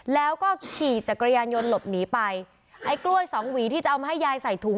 แล้วก็ขี่จักรยานยนต์หลบหนีไปไอ้กล้วยสองหวีที่จะเอามาให้ยายใส่ถุง